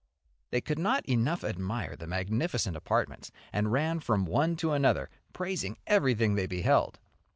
They could not enough admire the magnificent apartments, and ran from one to another praising everything they beheld.